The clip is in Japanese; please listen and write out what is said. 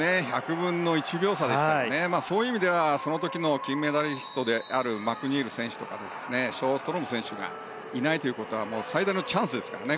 １００分の１秒差でしたからそういう意味ではその時の金メダリストであるマクニール選手とかショーストロム選手がいないということは最大のチャンスですからね。